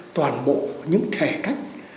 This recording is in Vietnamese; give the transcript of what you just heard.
toàn bộ những thể cách